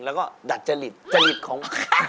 แล้วก็ดัดจริตจริตของ